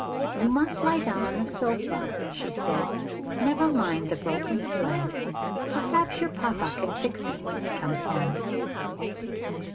"You must lie down on the sofa," she said. "Never mind the broken sled. Perhaps your papa can fix it when he comes home."